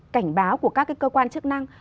cảnh báo của các cơ quan chức năng